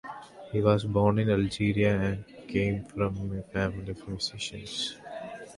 He was born in Algeria and came from a family of musicians.